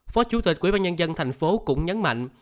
phó chủ tịch quy bán nhân dân thành phố cũng nhấn mạnh